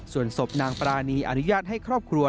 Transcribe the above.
ส่วนศพนางปรานีอนุญาตให้ครอบครัว